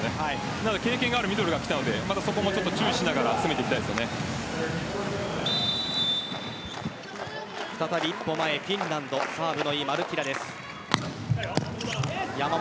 なので経験があるミドルが来たので注意しながら再び一歩前、フィンランドサーブの良いマルッティラです。